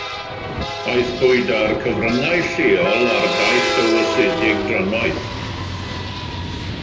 Aethpwyd â'r cyfryngau lleol ar daith dywysedig drannoeth.